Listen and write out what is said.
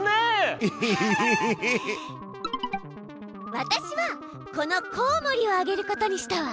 わたしはこのコウモリをあげることにしたわ。